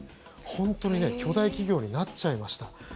本当に巨大企業になっちゃいました。